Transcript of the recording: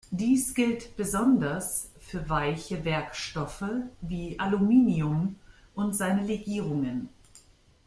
Dies gilt besonders für weiche Werkstoffe wie Aluminium und seine Legierungen.